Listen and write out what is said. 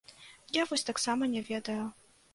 Я вось таксама не ведаю.